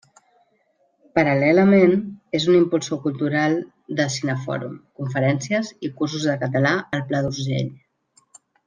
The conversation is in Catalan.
Paral·lelament, és un impulsor cultural de cinefòrum, conferències i cursos de català al Pla d'Urgell.